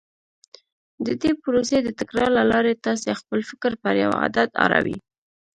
د دې پروسې د تکرار له لارې تاسې خپل فکر پر يوه عادت اړوئ.